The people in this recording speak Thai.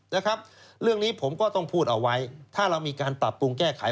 นะครับเรื่องนี้ผมก็ต้องพูดเอาไว้ถ้าเรามีการปรับปรุงแก้ไข